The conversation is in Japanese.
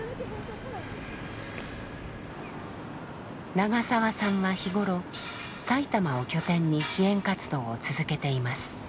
長澤さんは日頃埼玉を拠点に支援活動を続けています。